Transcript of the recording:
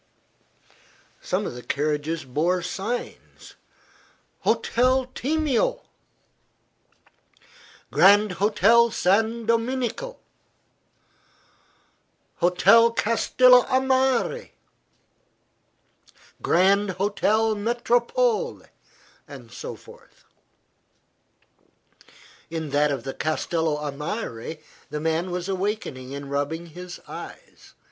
Some of the carriages bore signs: "Hotel Timeo;" "Grand Hotel San Domenico;" "Hotel Castello a Mare;" "Grand Hotel Metropole," and so forth. In that of the Castello a Mare the man was awakening and rubbing his eyes.